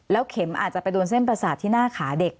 เข็มอาจจะไปโดนเส้นประสาทที่หน้าขาเด็ก